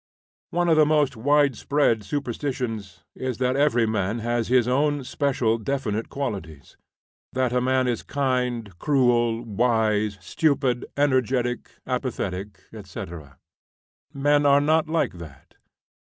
One of the most widespread superstitions is that every man has his own special, definite qualities; that a man is kind, cruel, wise, stupid, energetic, apathetic, etc. Men are not like that.